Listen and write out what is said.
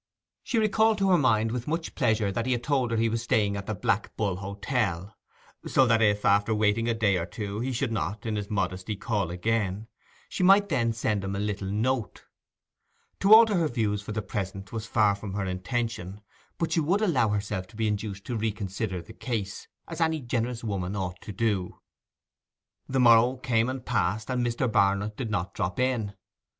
She recalled to her mind with much pleasure that he had told her he was staying at the Black Bull Hotel; so that if, after waiting a day or two, he should not, in his modesty, call again, she might then send him a nice little note. To alter her views for the present was far from her intention; but she would allow herself to be induced to reconsider the case, as any generous woman ought to do. The morrow came and passed, and Mr. Barnet did not drop in.